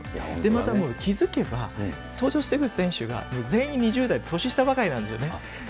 またもう気付けば、登場してくる選手が、全員２０代、年下ばかりなんですよね。